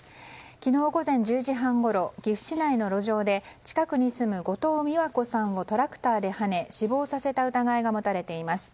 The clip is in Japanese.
昨日午前１０時半ごろ岐阜市内の路上で近くに住む後藤美和子さんをトラクターではね死亡させた疑いが持たれています。